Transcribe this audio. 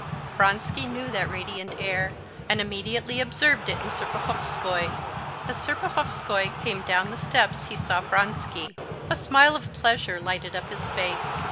Vronsky knew that radiant air, and immediately observed it in Serpuhovskoy. As Serpuhovskoy came down the steps he saw Vronsky. A smile of pleasure lighted up his face.